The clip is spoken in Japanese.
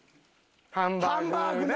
ハンバーグな！